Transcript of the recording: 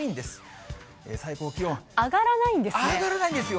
上がらないんですね。